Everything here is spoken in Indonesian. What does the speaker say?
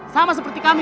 sama seperti kami